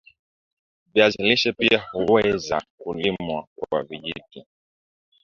viazi lishe pia huweza kuvunwa kwa vijiti